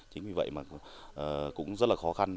chính vì vậy mà cũng rất là khó khăn